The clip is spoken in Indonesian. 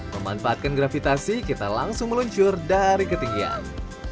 memanfaatkan gravitasi kita langsung meluncur dari ketinggian